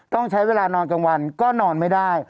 ต้องใช้เวลานอนกลางวันก็นอนไม่ได้